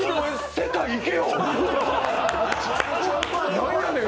世界、行けよ！